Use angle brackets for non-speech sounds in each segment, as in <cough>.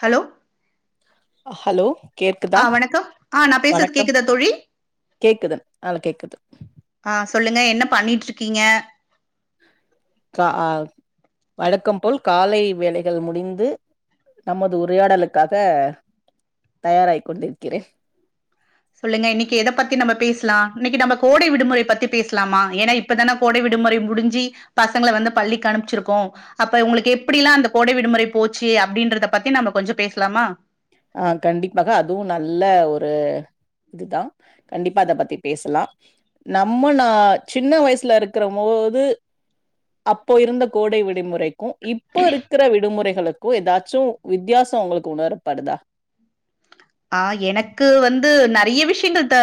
Hello hello கேக்குதா ஆஹ் வணக்கம் ஆஹ் நா பேசுறது கேக்குதா தோழி நால கேக்குது ஆஹ் சொல்லுங்க என்ன பண்ணிட்டு இருக்கீங்க கா ஹ் வழக்கம் போல் காலை வேலைகள் முடிந்து நமது உரையாடலுக்காக தயாராய் கொண்டிருக்கிறேன் சொல்லுங்க இன்னைக்கு எத பத்தி நம்ம பேசலா இன்னைக்கு நம்ம கோடை விடுமுறை பத்தி பேசலாமா ஏன்னா இப்பதானே கோடை விடுமுறை முடிஞ்சு பசங்களை வந்து பள்ளிக்கு அனுப்பிச்சிருக்கோ அப்ப உங்களுக்கு எப்டிலா அந்த கோடை விடுமுறை போச்சு அப்படின்றத பத்தி நம்ம கொஞ்ச பேசலாமா ஆஹ் கண்டிப்பாக அதுவு நல்ல ஒரு இதுதா கண்டிப்பா அத பத்தி பேசலா நம்ம நா சின்ன வயசுல இருக்கிற போது அப்போ இருந்த கோடை விடுமுறைக்கு இப்போ இருக்கிற விடுமுறைகளுக்கு ஏதாச்சு வித்தியாச உங்களுக்கு உணரப்படுதா ஆஹ் எனக்கு வந்து நறைய விஷயங்கள் த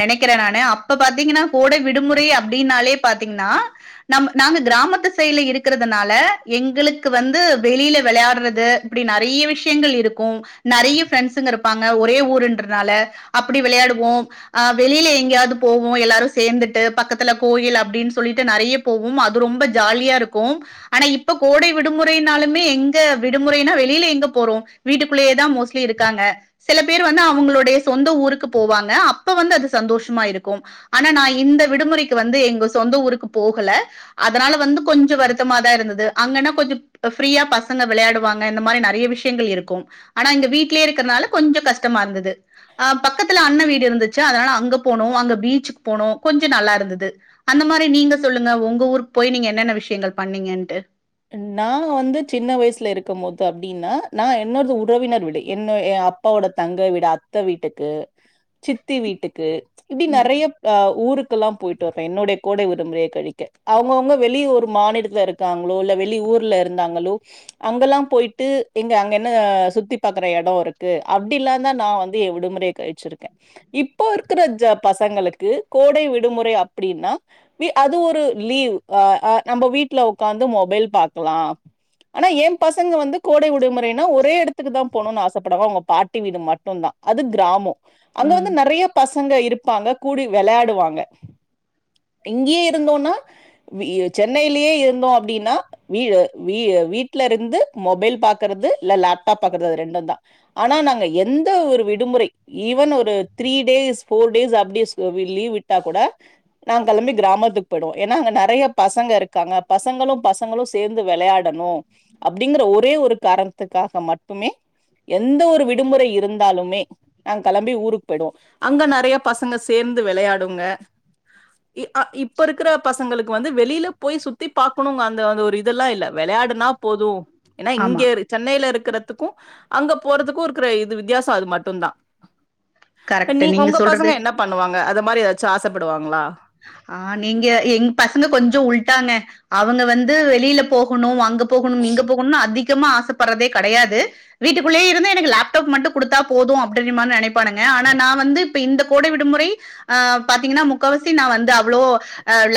நினைக்கிற நானு அப்ப பாத்தீங்கன்னா கோடை விடுமுறை அப்படின்னாலே பாத்தீங்கன்னா நம் நாங்க கிராமத்து சைடல இருக்கிறதுனால எங்களுக்கு வந்து வெளியில விளையாடுறது இப்டி நெறைய விஷயங்கள் இருக்கு நறைய ஃப்ரெண்ட்ஸ் ங்க இருப்பாங்க ஒரே ஊருன்றானால அப்டி விளையாடுவோ வெளியில எங்கயாவது போவோ எல்லாரு சேர்ந்துட்டு பக்கத்துல கோயில் அப்டின்னு சொல்லிட்டு நறைய போவும் அது ரொம்ப ஜாலியா இருக்கு ஆனா இப்ப கோடை விடுமுறைனாலுமே விடுமுறை வெளில எங்க போறோ வீட்டுக்குள்ளேயே தா மோஸ்டலி இருக் காங்க சில பேர் வந்து அவங்களுடைய சொந்த ஊருக்கு போவாங்க அப்ப வந்து அது சந்தோஷமா இருக்கும் ஆனா ந இந்த விடுமுறைக்கு வந்து எங்க சொந்த ஊருக்கு போகல அதனால வந்து கொஞ்ச வருத்தமா தா இருந்தது அங்கானா கொஞ்ச ஃப்ரீயா பசங்க விளையாடுவாங்க இந்த மாரி நறைய விஷயங்கள் இருக்கு ஆனாங்க வீட்டு வீட்லயே இருக்கறனால கொஞ்ச கஷ்டமா இருந்தது அஹ் பக்கத்துல அண்ணன் வீடு இருந்துச்சு அதனால அங்க போனோ அங்க பீச்சுக்கு போனோ கொஞ்ச நல்லா இருந்தது அந்த மாரி நீங்க சொல்லுங்க உங்க ஊருக்கு போய் நீங்க என்னென்ன விஷயங்கள் பண்ணீங்கன்ட்டு நா வந்து சின்ன வயசுல இருக்கு போது அப்டின்னா நா என்னொரு உறவினர் விடு என்ன என் அப்பாவோட தங்க விட அத்த வீட்டுக்கு சித்தி வீட்டுக்கு இப்டி ம், நறைய ஹ ஊருக்கு எல்லா போய்ட்டோ அப்போ என்னுடைய கோடை விடுமுறையை கழிக்க அவங்கவுங்க வெளிய ஒரு மாநிலத்தில இருக்காங்க <unintelligible> வெளி ஊர்ல இருந்தாங்களோ அங்கல்லா போயட்டுங்க அங்க என் சுத்தி பாற இடம் இருக்கு அப்டில்லா தா நா வந்து விடுமுறை கழிச்சுருக்க இப்ப இருக்கிற பசங்களுக்கு கோடை விடுமுறை அப்டின்னா அது ஒரு லீவ் ஹ ஹ நம்ம வீட்டுல உகந்து மொபைல் பாக்கலா ஆனா என் பசங்க வந்து கோடை விடுமுறைனா ஒரே இடத்துக்கு தா போணுனு ஆசைப்படுவ உங்க பாட்டி வீடு மட்டுதா அது கிராம அங்க ம். வந்து நறைய பச ங்க இருப்பாங்க கூடி விளையாடுவாங்க இங்கேயே இருந்தோனா சென்னையிலேயே இருந்து அப்டின்னா வீ வீ வீட்டல இருந்து மொபைல் பாக்கறது இல்ல லேப்டாப் பாக்கறது அது ரெண்டு தா ஆனா நாங்க எந்த ஒரு விடுமுறை ஈவன் ஒரு த்ரீ டேஸ் ஃபோர் டேஸ் அப்டி லீவ் விட்டா கூட நாங்க கிளம்பி கிராமத்துக்கு போயிடுவோ ஏன்னா அங்க நறைய பசங்க இருக்காங்க பசங்களு பசங்களு சேர்ந்து விளையாடணு அப்டிங்கிற ஒரே ஒரு காரணத்துக்காக மட்டுமே எந்த ஒரு விடுமுறை இருந்தாலுமே நாங்க கிளம்பி ஊருக்கு போயி்டவோ அங்க நிறைய பசங்க சேர்ந்து விளையாடுங்க இ அ இப்ப இருக்கிற பசங்களுக்கு வந்து வெளியில போய் சு சுத்தி பாக்கணுங்க அந்த அந்த ஒரு இதெல்லா இல்ல விளையாடுனா போது ஏன்னா இங்க ஆமா. சென்னையில இருக்கற த்துக்கு அங்க போறதுக்கு இருக்கிற இது வித்தியாச அது மட்டுதா கரெக்ட். நீ நீங்க உங்க பசங்க சொல்றது என்ன பண்ணுவாங்க அத இது மாரி ஏதாச்சு ஆசப்படுவாங்களா ஆஹ் நீங்க எங்க பசங்க கொஞ்ச உல்டாங்க அவங்க வந்து வெளியில போகணு அங்க போகணு இங்கே போகணு அதிக ஆசைப்படுறதே கிடையா வீட்டுக்குள்ளயே இருந்து எனக்கு லேப்டாப் மட்டு கொடுத்தா போது அப்டின்னும நினைப் பானுங்க ஆனா நா வந்து இந்த கோடை விடுமுறை ஹ் பாத்தீங்கன்னா முக்கவ சி வந்து அவ்ளோ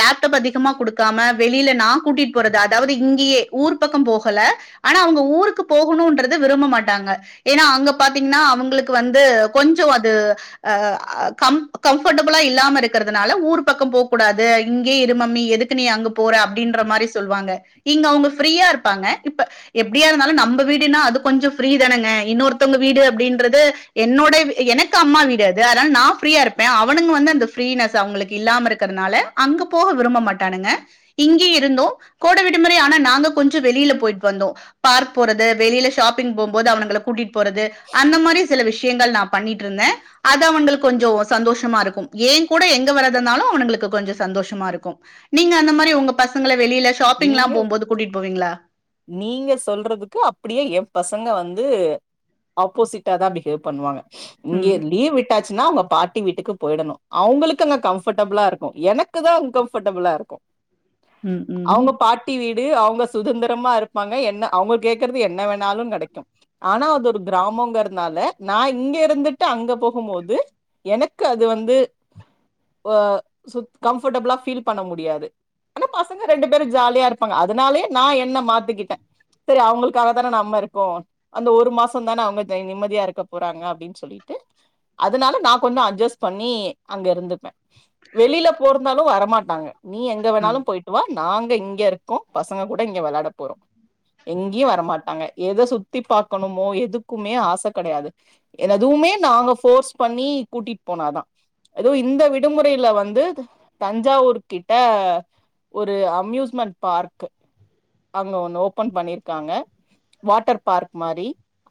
லேப்டாப் அதிகமா கொடுக்காம வெளியில நா கூட்டிட்டு போறது அதாவது இங்கேயே ஊர் பக்க போகல ஆனா அவங்க ஊருக்கு போகணுன்றது விரும்ப மாட்டாங்க ஏன்னா அங்க பாத்தீங்கன்னா அவங்களுக்கு வந்து கொஞ்ச அது ஹ கம்ஃபர்டபிள்ள இல்லாம இருக்கிறது அதனால ஊரு பக்கம் போக கூடாது இங்கே இரு மம்மி எதுக்கு அங்க போர அப்டின்ற மாரி சொல்லுவாங்க இங்க அவங்க ஃபிரியா இருப்பாக இப்ப எப்பிடியாருந்தாலு நம்ம வீடுனா அது கொஞ்ச ஃபிரிதானங்க இனனேர்தங்க வீடு அப்டின்றது என்னோடைய எனக்கு அம்மா வீடு நா ஃபிரியா இருப்ப அவனுங்க அந்த ஃபினஸ் அவங்களுக்கு இல்லாம இருக்கிறதுனால அங்க போக விரும்ப மாட்டனுங்க இங்க இருந்து கோடை விடுமுறைன கொஞ்ச வெளியில போயி வந்தோ பார்க் போறது வெளியிலா ஷாப்பிங் போம்து அவனுங்கள கூட்டிட்டு போறது அந்த மாரி சில விஷயங்கள் நான் பண்ணட்டு இருந்த அது அவனுங்களுக்கு கொஞ்ச சந்தோஷமா இருக்கு என் கூட எங்க வரதுனாலு அவனுங்களுக்கு கொஞ்ச சந்தோஷமா இருக்கு நீங்க அந்த மாரி உங்க பசங்கள நீங்க நீங்க சொல்றதுக்கு அப்டியே என் பச சங்க வந்து ஆப்போசிட்டா தா பிஹேவ் பண்ணுவாங்க இங்கே ம் லீவ் விட்டா ச்சுனா அவங்க பாட்டி வீட்டுக்கு போயிடணு அவங்களுக்கு அங்க கம்ஃபர்டபுளா இருக்கு எனக்கு தா அன்கம்ஃபர்டபிள இருக்கு ம் அவங்க ம் பாட்டி வீ டு அவங்க சுதந்திரமா இருப்பாங்க என்ன அவங்க கேக்கறது என்ன வேணாலு கெடைக்கு ஆனா அது ஒரு கிராமோங்கறனால நா இங்க இருந்துட்டு அங்க போகும்போது எனக்கு அது வந்து அ சுத் கம்ஃபோர்டபுளா ஃபீல் பண்ண முடியாது ஆனா பசங்க ரெண்டு பேரும் ஜாலியா இருப்பாங்க அதனாலே நா என்ன மாத்துக்கிட்டேன் செரி அவங்களுக்காக தான நம்ம இருக்கோம் அந்த ஒரு மாசம் தானே அவங்க தே நிம்மதியா இருக்க போறாங்க அப்டின்னு சொல்லிட்டு அதனால நா கொஞ்ச அட்ஜஸ்ட் பண்ணி அங்க இருந்துப்பேன் வெளியில போ இருந்தாலும் வரமாட்டாங்க நீ எங்க ஆ வேணாலும் போயி் நாங்க இங்க இருக்கோம் பசங்க கூட இங்க வெளாட போறோம் எங்கேயு வரமாட்டாங்க எத சுத்தி பாகக்கணுமோ எதுக்குமே ஆசை கெடையாது என் எதுவுமே நாங்க ஃபோர்ஸ் பண்ணி கூட்டிட்டு போனாதா ஏதோ இந்த விடுமுறையில வந்து தஞ்சாவூர் கிட்ட ஒரு அம்யூஸ்மெண்ட் பார்க்கு அங்க ஒன் ஓபன் பண்ணிருக்காங்க வாட்டர் பார்க் மாரி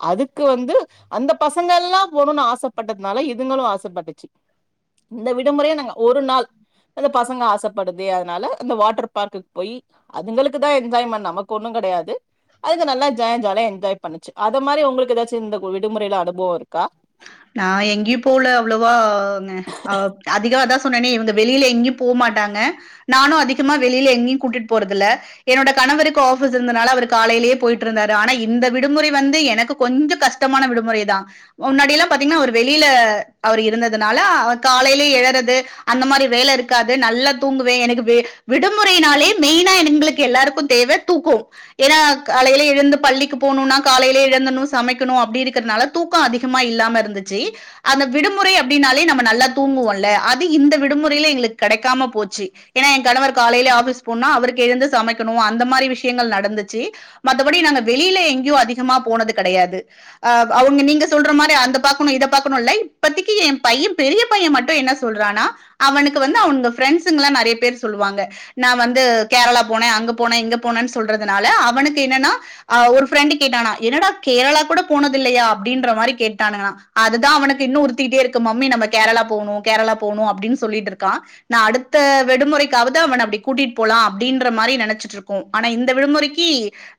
அதுக்கு வந்து அந்த பசங்க எல்லா போணுனு ஆசைப்பட்டதுனால இதுங்களும் ஆசைப்பட்டுச்சு இந்த விடுமுறைய நாங்க ஒரு நாள் அந்த பசங்க ஆசைப்படுதே அதனால அந்த வாட்டர் பார்க்குக்கு போய் அதுங்களுக்குதா என்ஜாய்மெண்ட் நமக்கு ஒன்னும் கெடையாது அதுங்க நல்லா ஜாயும் ஜாலியா என்ஜாய் பண்ணுச்சு அத மாரி உங்களுக்கு ஏதாச்சும் இந்த விடுமுறையில அனுபவம் இருக்கா நா எங்கேயும் போல அவ்வளோவா ந அ அதிகா அதா போனனே இவங்க வெளில எங்கயும் போ மாட்டாங்க நானும் அதிகமா வெளில எங்கயும் கூட்டிட்டு போறதில்ல என்னோட கணவருக்கு ஓஃபிஸ் இருந்தனால அவரு காலையிலயே போய்ட்ருந்தாரு ஆனா இந்த விடுமுறை வந்து எனக்கு கொஞ்ச கஷ்டமான விடுமுறை தா முன்னாடிலா பாத்தீங்கனா அவரு வெளியில அவர் இருந்ததுனால காலையில எழறது அந்த மாரி வேலை இருக்காது நல்லா தூங்குவேன் எனக்கு வெ விடுமுறையினாலே மெயினா எங்களுக்கு எல்லாருக்கும் தேவ தூக்கோ ஏன்னா காலையில எழுந்து பள்ளிக்கு போணுனா காலையில இழந்தணு சமைக்கணு அப்டி இருக்கனால தூக்கோ அதிகமா இல்லாம இரு ந்துச்சு அந்த விடுமுறை அப்டினாலே நம்ம நல்லா தூங்குவோல அது இந்த விடுமுறையில எங்களுக்கு கெடைக்காம போச்சு ஏனா என் கணவர் காலையில ஆஃபிஸ் போனா அவருக்கு எழுந்து சமைக்கணும் அந்த மாரி விஷ்யங்கள் நடந்துச்சு மத்தபடி நாங்க வெளியில எங்கயு அதிகமா போனது கடையாது அப் அவங்க நீங்க சொல்ற மாரி அந்த பாக்கணு இத பாக்கணு லை இப்பதிக்கு என் பையன் பெரிய பையன் மட்டு என்ன சொல்றானா அவனுக்கு வந்து அவனுங்க ஃப்ரெண்ட்ஸுங்கலா நறைய பேரு சொல்லுவாங்க நா வந்து கேரளா போனேன் அங்க போனேன் இங்க போனேன்னு சொல்றதுனால அவனுக்கு என்னன்னா அ ஒரு ஃப்ரெண்டு கேட்டானா என்னடா கேரளா கூட போனது இல்லையா அப்டின்ற மாரி கேட்டானுங்களா அதுதா அவனுக்கு இன்னும் உறுத்திட்டே இருக்கு மம்மி நம்ம கேரளா போகணு கேரளா போகணு அப்டின்னு சொல்லிட்டு இருக்கான் நா அடுத்த விடுமுறைக்காவது அவன அப்டி கூட்டிட்டு போலாம் அப்டின்ற மாரி நெனைச்சிட்டு இருக்கோம் ஆனா இந்த விடுமுறைக்கு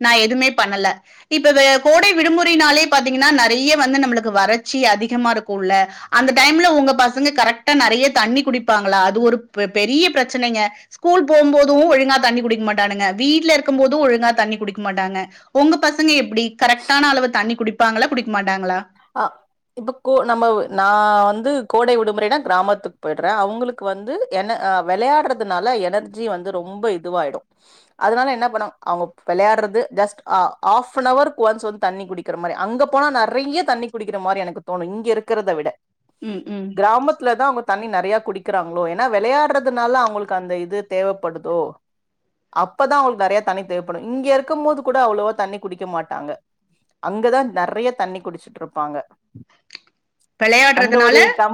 நா எதுவுமே பண்ணல இப்ப வெ கோடை விடுமுறைனாலே பாத்தீங்கன்னா நறைய வந்து நம்மளுக்கு வர ட்சி அதிகமா இருக்கும்ல்ல அந்த டைம்ல உங்க பசங்க கரெக்டா நறைய தண்ணி குடிப்பாங்களா அது ஒரு ந பெரிய பிரச்சனைங்க ஸ்கூல் போகும் போதும் ஒழுங்கா தண்ணி குடிக்க மாட்டானுங்க வீட்ல இருக்கும் போதும் ஒழுங்கா தண்ணி குடிக்க மாட்டாங்க உங்க பசங்க எப்டி கரெக்டான அளவு தண்ணி குடிப்பாங்களா குடிக்க மாட்டாங்களா இப்போ கோ நம்ம நா வந்து கோடை விடுமுறைனா கிராமத்துக்கு போயிடுறேன் அவங்களுக்கு வந்து என்ன அ வெளையாடுறதுனால எனர்ஜி வந்து ரொம்ப இதுவாயிடும் அதனால என்ன பண்ணும் அவங்க வெளையாடுறது just ah of on அவர்க் once வந்து தண்ணி குடிக்கற மாரி அங்க போனா நறைய தண்ணி குடிக்கிற மாரி எனக்கு தோணும் இங்க இருக்கறத விட ம் ம் கிராமத்துல தா அவங் தண்ணி நறைய குடிக்கிறாங்களோ ஏன்னா வெளையாடுறதுனால அவங்களுக்கு அந்த இது தேவைப்படுதோ அப்பதா அவங்களுக்கு நறைய தண்ணி தேவைப்படும் இங்க இருக்கம் போது கூட அவ்ளவோ தண்ணி குடிக்க மாட்டாங்க அங்கதா நறைய தண்ணி குடிச்சு இருப்பாங்க அந்த வெளையாடுறதுனால ஒரு கா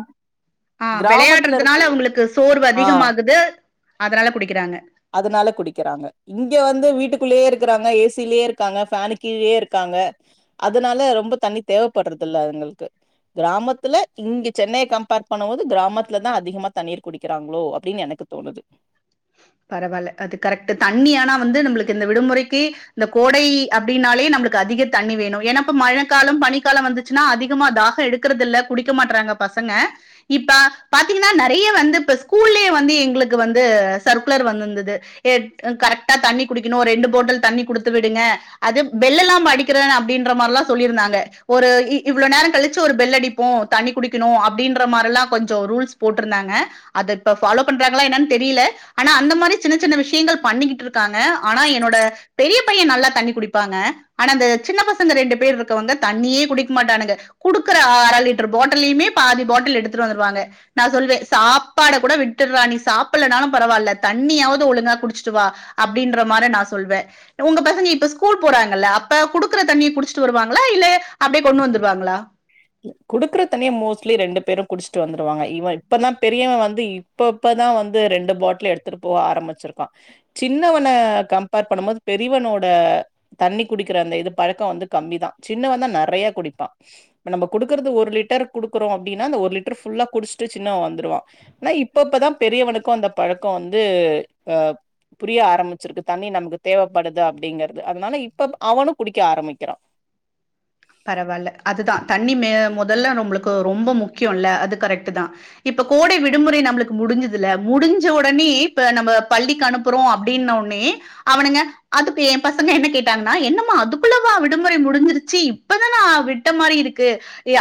ஆ கிராமத்துல வெளையாடுறதுனால இருக்கு அவங்களுக்கு சோர்வு ஆ அதிகமாகுது அதனால குடிக்கிறாங்க அதனால குடிக்கறாங்க இங்க வந்து வீட்டுக்குள்ளயே இருக்கிறாங்க ஏ சிலயே இருக்காங்க ஃபேனு கீழேயெ இருக்காங்க அதனால ரொம்ப தண்ணி தேவைப்படுறது இல்ல அவங்களுக்கு கிராமத்துல இங்க சென்னைய கம்பேர் பண்ணம் போது கிராமத்துலதா அதிகமா தண்ணீர் குடிக்கிறாங்களோ அப்டின்னு எனக்கு தோணுது பரவால்ல அது கரெக்ட்டு தண்ணி ஆனா வந்து நம்மளுக்கு இந்த விடுமுறைக்கு இந்த கோடை அப்டின்னாலே நம்மளுக்கு அதிக தண்ணி வேணும் ஏன்னா இப்ப மழைக்காலம் பனிக்காலம் வந்துச்சுன்னா அதிகமா தாக எடுக்கறது இல்ல குடிக்க மாட்றாங்க பசங்க இப்ப பாத்தீங்கன்னா நறைய வந்து இப்ப ஸ்கூல்லயே வந்து எங்களுக்கு வந்து சர்குலர் வந்துந்தது கரெக்டா எட் தண்ணி குடிக்கணு ரெண்டு போட்டல் தண்ணி குடுத்து விடுங்க அது பெல்ல எல்லாம் அடிக்கறேன அப்டின்ற மாரிலா சொல்லிருந்தாங்க ஒரு இவ்வள நேரம் கழிச்சு ஒரு பெல் அடிப்போம் தண்ணி குடிக்கணு அப்டின்ற மாரிலா கொஞ்சோ ரூல்ஸ் போட்ருந்தாங்க அத இப்ப ஃபாலோ பண்றாங்களா என்னன்னு தெரியல ஆனா அந்த மாரி சின்ன சின்ன விஷ்யங்கள் பண்ணிக்கிட்டு இருக்காங்க ஆனா என்னோட பெரிய பையன் நல்லா தண்ணி குடிப்பாங்க ஆனா இந்த சின்ன பசங்க ரெண்டு பேர் இருக்கவங்க தண்ணியே குடிக்க மாட்டானுங்க குடுக்கற அர லிட்டர் பாட்டல்லயுமே பாதி பாட்டல் எடுத்துட்டு வந்துருவாங்க நா சொல்வேன் சாப்பாட கூட விட்டுறா நீ சாப்புட்லனாலும் பரவால்ல தண்ணியாவது ஒழுங்கா குடிச்சுட்டு வா அப்டின்ற மாரி நா சொல்வேன் உங்க பசங்க இப்ப ஸ்கூல் போறாங்கல்ல அப்ப குடுக்குற தண்ணியை குடிச்சுட்டு வருவாங்களா இல்ல அப்டியே கொண்டு வந்துருவாங்களா குடுக்குற தண்ணிய மோஸ்ட்லி ரெண்டு பேரும் குடிச்சுட்டு வந்துருவாங்க இவன் இப்பதா பெரியவன் வந்து இப்ப இப்பதா வந்து ரெண்டு பாட்டல எடுத்துட்டு போக ஆரம்பிச்சிருக்கான் சின்னவன கம்பேர் பண்ணம் போது பெரியவனோட தண்ணி குடிக்கிற அந்த இது பழக்கோ வந்து கம்மிதா சின்னவன் தா நறைய குடிப்பான் நம்ம குடுக்குறது ஒரு லிட்டர் குடுக்குறோம் அப்படின்னா அந்த ஒரு லிட்டர் ஃபுல்லா குடிச்சுட்டு சின்னவ வந்துருவான் ஆனா இப்ப இப்பதா பெரியவனுக்கும் அந்த பழக்கோ வந்து அ புரிய ஆரம்பிச்சிருக்கு தண்ணி நமக்கு தேவைப்படுது அப்படிங்கறது அதனால இப்ப அவனும் குடிக்க ஆரம்பிக்கிறான் பரவால்ல அதுதான் தண் ணி மெ மொதல்ல நம்மளுக்கு ரொம்ப முக்கியோ இல்ல அது கரெக்ட் தா இப்ப கோடை விடுமுறை நம்மளுக்கு முடிஞ்சுதுல முடிஞ்ச ஒடனே இப்ப நம்ம பள்ளிக்கு அனுப்புறோம் அப்டின்னோடனே அவனுங்க அதுக்கு என் பசங்க என்ன கேட்டாங்கன்னா என்னம்மா அதுக்குள்ளவா விடுமுறை முடிஞ்சிருச்சு இப்பதானா விட்ட மாரி இருக்கு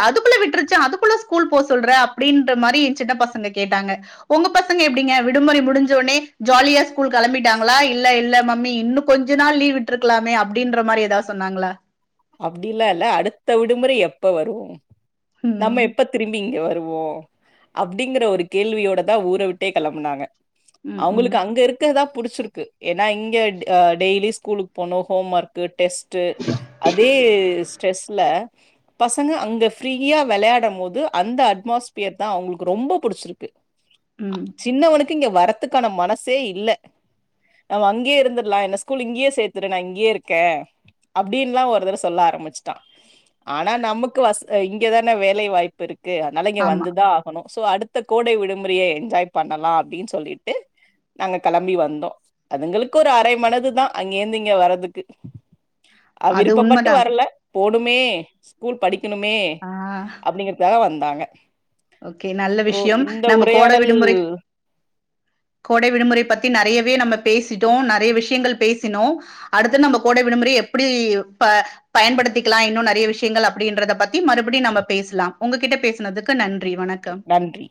அதுக்குள்ள விட்டுருச்சா அதுக்குள்ள ஸ்கூல் போ சொல்ற அப்டின்ற மாரி என் சின்ன பசங்க கேட்டாங்க உங்க பசங்க எப்படிங்க விடுமுறை முடிஞ்சோனே ஜாலியா ஸ்கூல் கெளம்பிட்டாங்களா இல்ல இல்ல மம்மி இன்னு கொஞ்ச நாள் லீவ் விட்டு இருக்கலாமே அப்படின்ற மாரி ஏதாவது சொன்னாங்களா அப் படில்லா இல்ல அடுத்த விடுமுறை எப்ப வரும் நம்ம ம். எப்ப திரும்பி இங்க வ வோ அப்டிங்கற ஒரு கேள்வியோட தா ஊற வுட்டே கெளம்புனாங்க ம், ம். அவுங்ளுக்கு அங்க இருக்கறதா புடிச்சிருக்கு ஏன்னா இங்க டெய்லி ஸ்கூலுக்கு போனு ஹோம் ஒர்க்கு டெஸ்ட்டு அதே ஸ்ட்ரெஸ்ல பசங்க அங்க ஃப்ரீயா வெளாடும் போது அந்த அட்மாஸ்பியர் தா அவுங்ளுக்கு ரொம்ப புடிச்சிருக்கு ம். சின்னவனுக் இங்க வரத்துக்கான மனசே இல்ல நம்ம அங்கே இருந்துட்லா என்ன ஸ்கூல் இங்கயே சேத்துரு நா இங்கயே இருக்கே அப் டின்லா ஒருதரவ சொல்ல ஆரம்பிச்சிட்டான் ஆனா நமக்கு வஷ் இங்கதான வேலை வாய்ப்பு இருக் கு அதனால இங்க ஆமா. வந்துதா ஆகணு சோ அடுத்த கோடை விடுமுறைய என்ஜாய் பண்ணலா அப்டின்னு சொல்லிட்டு நாங்க கெளம்பி வந்தோ அதுங்களுக்கு ஒரு அரை மனதுதா அங்கேருந்து இங்க வரதுக்கு ஆ அது விருப்பப்பட்டு உண்மதான். வரல போணுமே ஸ்கூல் படி க்குனுமே ஆ அப்டிங்கறதுக்கா வந் தாங்க ஓகே நல்ல விஷ்யம் நம்ப கோட உரையாடல் விடுமுறை கோடை விடுமுறை பத்தி நெறையவே நம்ப பேசிட்டோ நறைய விஷ்யங்கள் பேசினோ அடுத்து நம்ப கோடை விடுமுறை எப்டி ப பயன்படுத்திக்கலா இன்னு நெறைய விஷ்யங்கள் அப்டின்றத பத்தி மறுபடி நம்ப பேசலா உங்ககிட்ட பேசுனதுக்கு நன் நன்றி